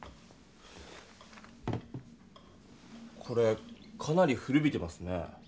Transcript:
これかなり古びてますね。